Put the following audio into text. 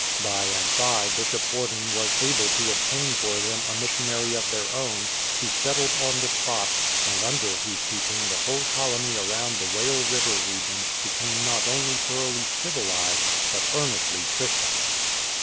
By and by Bishop Horden was able to obtain for them a missionary of their own, who settled on the spot, and under whose teaching the whole colony around the Whale River region became not only thoroughly civilized, but earnestly Christian.